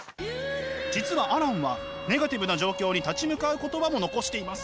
実はアランはネガティブな状況に立ち向かう言葉も残しています。